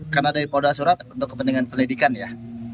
karena ada di polda surat untuk kepentingan penyelidikan ya